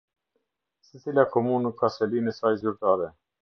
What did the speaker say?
Secila Komunë ka selinë e saj zyrtare.